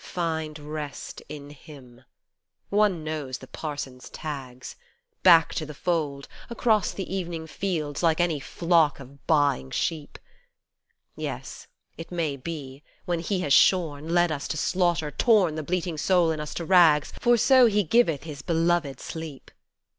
" Find rest in Him " One knows the parsons' tags Back to the fold, across the evening fields, like any flock of baa ing sheep : Yes, it may be, when He has shorn, led us to slaughter, torn the bleating soul in us to rags, For so He giveth His beloved sleep.